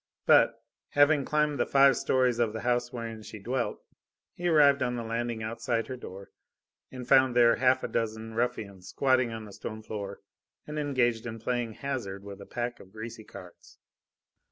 But, having climbed the five stories of the house wherein she dwelt, he arrived on the landing outside her door and found there half a dozen ruffians squatting on the stone floor and engaged in playing hazard with a pack of greasy cards.